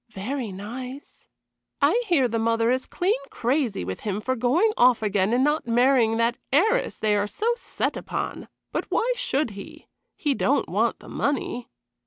"Very nice." "I hear the mother is clean crazy with him for going off again and not marrying that heiress they are so set upon. But why should he? He don't want the money."